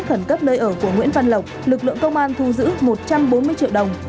ở của nguyễn văn lộc lực lượng công an thu giữ một trăm bốn mươi triệu đồng